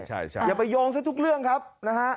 ใช่อย่าไปโยงซะทุกเรื่องครับนะฮะ